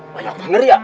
banyak banget ya